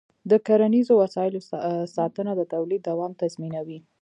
د کرنيزو وسایلو ساتنه د تولید دوام تضمینوي.